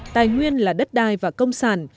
tài nguyên là đất đai và công sản